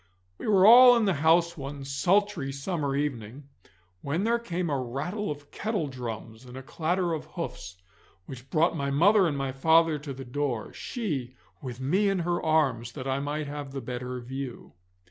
We were all in the house one sultry summer evening, when there came a rattle of kettledrums and a clatter of hoofs, which brought my mother and my father to the door, she with me in her arms that I might have the better view.